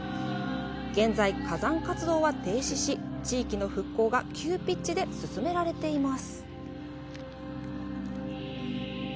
現在、火山活動は停止し地域の復興が急ピッチで進められています。